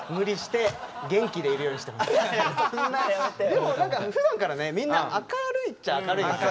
でも何かふだんからねみんな明るいっちゃ明るいから。